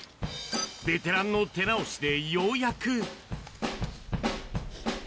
ベテランの手直しでようやく。